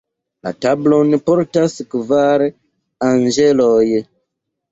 La tablon portas kvar anĝeloj.